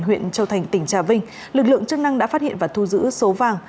huyện châu thành tỉnh trà vinh lực lượng chức năng đã phát hiện và thu giữ số vàng